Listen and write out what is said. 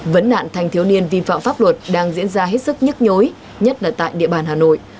vấn nạn thành thiếu niên vi phạm pháp luật đang diễn ra hết sức nhức nhối nhất là tại địa bàn hà nội